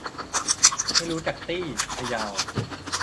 ไม่รู้จักตี้ พะเยา